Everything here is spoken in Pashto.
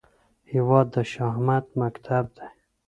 هیواد د شهامت مکتب دی